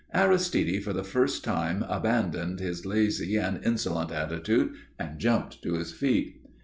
Aristide for the first time abandoned his lazy and insolent attitude and jumped to his feet.